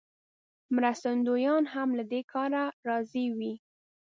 مرستندویان هم له دې کاره راضي وي.